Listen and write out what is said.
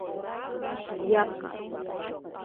Shiyaka.